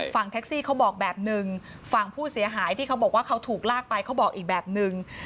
ฝั่งแท็กซี่เขาบอกแบบหนึ่งฝั่งผู้เสียหายที่เขาบอกว่าเขาถูกลากไปเขาบอกอีกแบบนึง